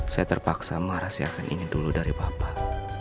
saya terpaksa merahasiakan ini dulu dari bapak